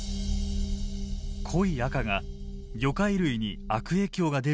濃い赤が魚介類に悪影響が出るという濃度。